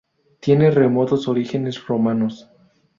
Tiene remotos orígenes romanos.